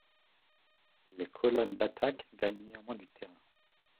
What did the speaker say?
Les colonnes d'attaque gagnent néanmoins du terrain.